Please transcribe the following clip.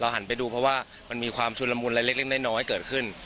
หันไปดูเพราะว่ามันมีความชุนละมุนอะไรเล็กน้อยเกิดขึ้น